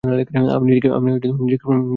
আমি নিজেকে প্রদর্শন করছি।